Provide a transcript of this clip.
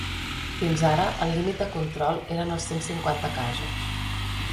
Fins ara, el límit de control eren els cent cinquanta casos.